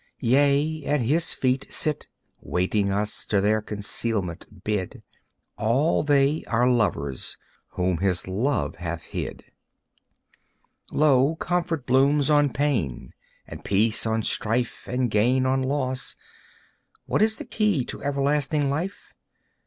Yea, at His feet Sit, waiting us, to their concealment bid, All they, our lovers, whom His Love hath hid. Lo, comfort blooms on pain, and peace on strife, And gain on loss. What is the key to Everlasting Life?